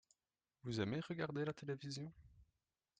Vous aimez regarder la télévision ?